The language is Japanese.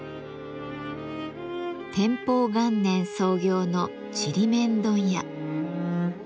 天保元年創業のちりめん問屋。